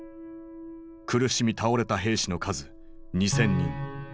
苦しみ倒れた兵士の数２，０００人。